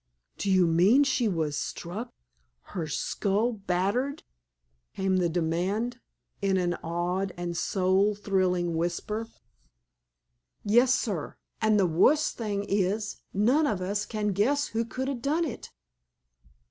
"Do you mean that she was struck, her skull battered?" came the demand, in an awed and soul thrilling whisper. "Yes, sir. An' the wust thing is, none of us can guess who could ha' done it."